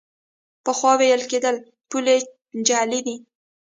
پخوا ویل کېدل پولې جعلي دي.